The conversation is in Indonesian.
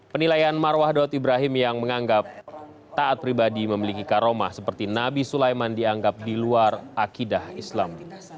penilaian marwah daud ibrahim yang menganggap taat pribadi memiliki karomah seperti nabi sulaiman dianggap di luar akidah islam